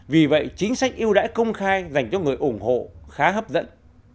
vì vậy chính sách yêu đãi công khai dành cho người ủng hộ khá hấp dẫn